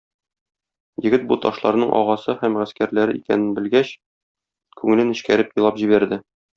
Егет, бу ташларның агасы һәм гаскәрләре икәнен белгәч, күңеле нечкәреп елап җибәрде.